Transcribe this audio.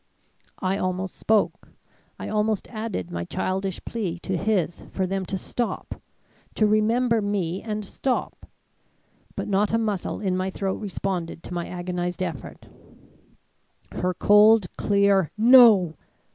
"I almost spoke; I almost added my childish plea to his for them to stop to remember me and stop. But not a muscle in my throat responded to my agonized effort. Her cold, clear 'No!'